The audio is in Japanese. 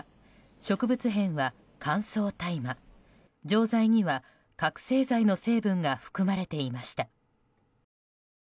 植物片は乾燥大麻錠剤には覚醒剤の成分が含まれていました。